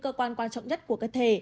cơ quan quan trọng nhất của cơ thể